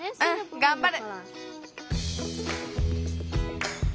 がんばる。